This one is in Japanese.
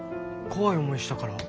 怖い思いしたから？